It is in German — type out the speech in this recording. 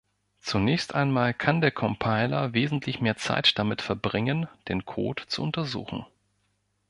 Zunächst einmal kann der Compiler wesentlich mehr Zeit damit verbringen, den Code zu untersuchen.